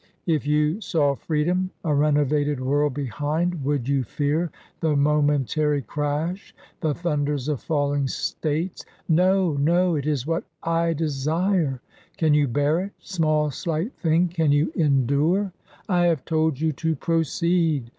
" If you saw freedom, a renovated world behind, would you fear the momentary crash — the thunders of falling states ?"" No ! No ! It is what I desire." " Can you bear it ? Small, slight thing, can you en dure ?"" I have told you to proceed."